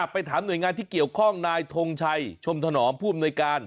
ไปถามหน่วยงานที่เกี่ยวข้องนายทงชัยชมถนอมผู้อำนวยการ